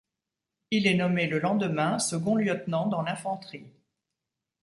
Il est nommé le lendemain second lieutenant dans le d'infanterie.